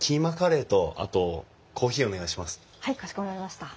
はいかしこまりました。